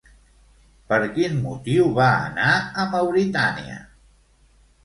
Per quin motiu va anar a Mauritània?